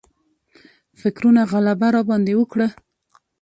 فکرونو غلبه راباندې وکړه.